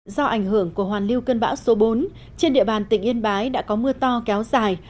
do ảnh hưởng của hoàn lưu cơn bão số bốn trên địa bàn tỉnh yên bái đã có mưa to kéo dài